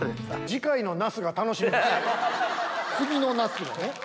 次のナスがね。